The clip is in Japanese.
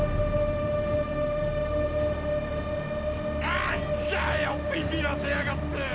あんっだよビビらせやがって！